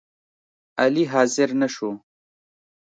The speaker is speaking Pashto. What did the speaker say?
علي حاضر نشو